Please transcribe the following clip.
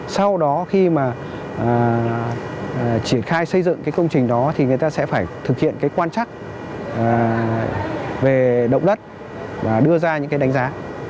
sau đó khi mà triển khai xây dựng cái công trình đó thì người ta sẽ phải thực hiện cái quan trắc về động đất và đưa ra những cái đánh giá